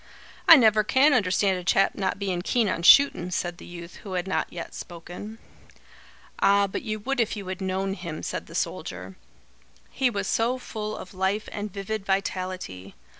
"I never can understand a chap not bein' keen on shootin'," said the youth who had not yet spoken. "Ah, but you would if you had known him," said the soldier. "He was so full of life and vivid vitality.